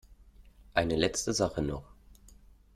Eine letzte Sache noch.